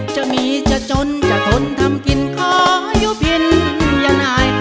จะมีจะจนจะทนทำกินขออยู่พินยานาย